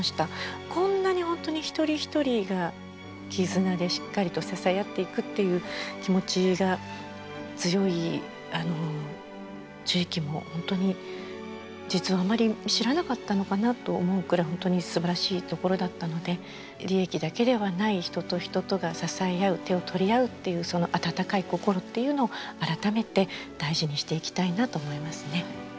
こんなに本当に一人一人が絆でしっかりと支え合っていくっていう気持ちが強い地域も本当に実はあまり知らなかったのかなと思うくらい本当にすばらしいところだったので利益だけではない人と人とが支え合う手を取り合うっていうその温かい心っていうのを改めて大事にしていきたいなと思いますね。